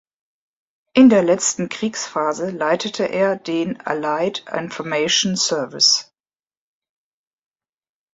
In der letzten Kriegsphase leitete er den "Allied Information Service".